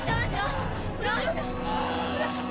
jangan jangan jangan